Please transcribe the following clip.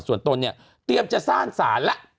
ส่วนตนเนี่ยเตรียมจะสร้างสารแล้ว